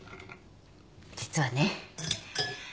実はね。